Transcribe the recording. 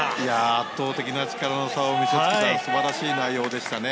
圧倒的な力の差を見せつけた素晴らしい内容でしたね。